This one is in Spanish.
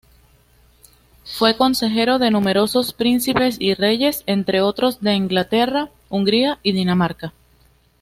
Fue consejero de numerosos príncipes y reyes, entre otros de Inglaterra, Hungría y Dinamarca.